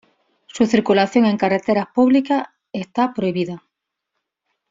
Su circulación en carreteras públicas está prohibida.